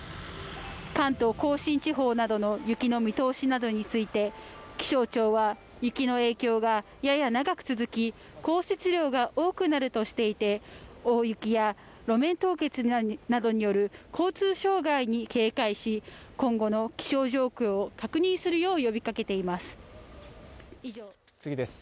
関東甲信地方などの雪の見通しなどについて気象庁は雪の影響がやや長く続き降雪量が多くなるとしていて大雪や路面凍結などによる交通障害に警戒し今後の気象状況を確認するよう呼びかけています